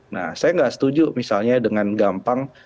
saya tidak setuju misalnya dengan gampang